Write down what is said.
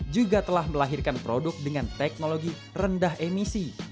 juga telah melahirkan produk dengan teknologi rendah emisi